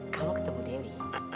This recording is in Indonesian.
kamu ketemu dewi